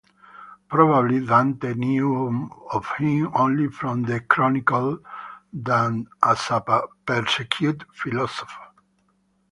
Probably Dante knew of him only from the chronicler than as a persecuted philosophe.